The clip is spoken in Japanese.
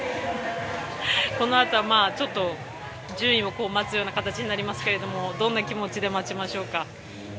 このあとはちょっと順位を待つ形になりますけれどもどんな気持ちで待ちましょうか。